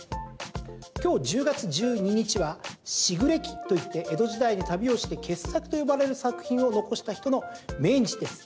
今日１０月１２日は時雨忌といって江戸時代に旅をして傑作と呼ばれる作品を残した人の命日です。